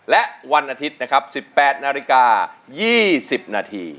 และวันอาทิตย์นะครับ๑๘นาฬิกา๒๐นาที